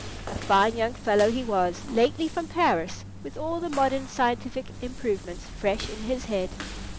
A fine young fellow he was, lately from Paris, with all the modern scientific improvements fresh in his head.